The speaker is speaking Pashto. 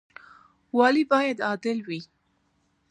والي باید عادل وي